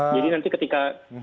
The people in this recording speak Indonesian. jadi nanti ketika